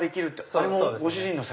あれもご主人の作？